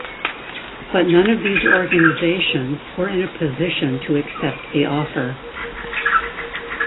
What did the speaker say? But none of these organizations were in a position to accept the offer.